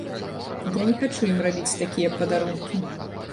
Я не хачу ім рабіць такія падарункі.